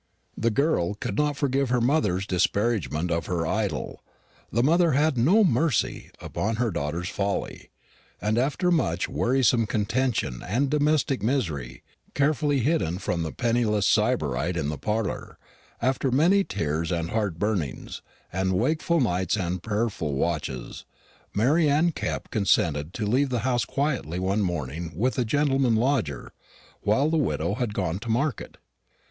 The girl could not forgive her mother's disparagement of her idol, the mother had no mercy upon her daughter's folly; and after much wearisome contention and domestic misery carefully hidden from the penniless sybarite in the parlour after many tears and heart burnings, and wakeful nights and prayerful watches, Mary Anne Kepp consented to leave the house quietly one morning with the gentleman lodger while the widow had gone to market.